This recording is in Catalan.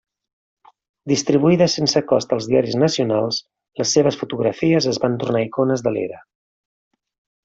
Distribuïdes sense cost als diaris nacionals, les seves fotografies es van tornar icones de l'era.